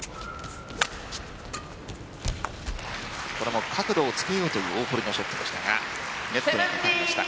これも角度をつけようという大堀のショットでしたがネットにかかりました。